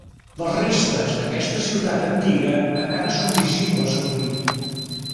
Les restes d'aquesta ciutat antiga encara són visibles avui.